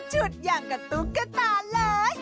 ชุดอย่างกับตุ๊กกระต่าเลย